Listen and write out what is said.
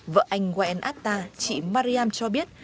vợ anh wael atta chị mariam cho biết